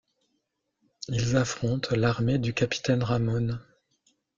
Ils affrontent l'armée du Capitaine Ramon.